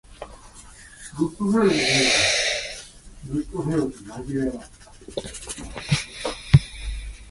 Many football statistics sites advocate for increased usage of the play.